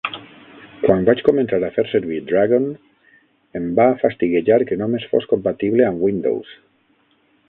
Quan vaig començar a fer servir Dragon, em va fastiguejar que només fos compatible amb Windows.